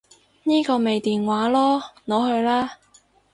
呢個咪電話囉，攞去啦